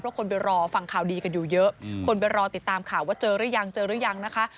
เพราะคนไปรอฟังข่าวดีกันอยู่เยอะคนไปรอติดตามข่าวว่าเจอหรือยังเจอหรือยังนะคะ